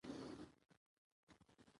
پامیر د افغان ښځو په ژوند کې هم رول لري.